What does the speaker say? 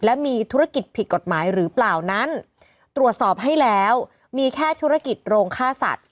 และมีธุรกิจผิดกฎหมายหรือเปล่านั้นตรวจสอบให้แล้วมีแค่ธุรกิจโรงค่าสัตว